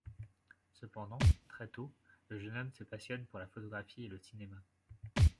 Cependant, très tôt, le jeune homme se passionne pour la photographie et le cinéma.